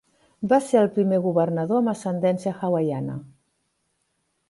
Va ser el primer governador amb ascendència hawaiana.